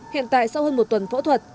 hiện tại sau hơn một tuần phẫu thuật